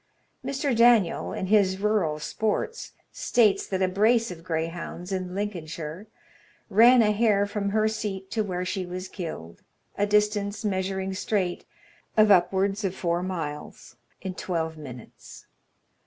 Mr. Daniel, in his "Rural Sports," states that a brace of greyhounds, in Lincolnshire, ran a hare from her seat to where she was killed, a distance, measuring straight, of upwards of four miles, in twelve minutes.